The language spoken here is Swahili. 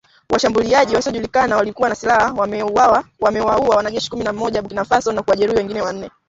Washambuliaji wasiojulikana waliokuwa na silaha wamewaua wanajeshi kumi na mmoja wa Burkina Faso na kuwajeruhi wengine wanane